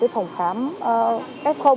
phòng khám f